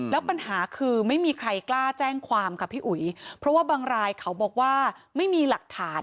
แล้วปัญหาคือไม่มีใครกล้าแจ้งความค่ะพี่อุ๋ยเพราะว่าบางรายเขาบอกว่าไม่มีหลักฐาน